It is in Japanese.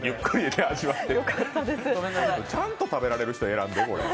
ちゃんと食べられる人、選んで。